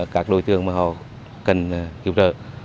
các đối tượng mà họ cần cứu trợ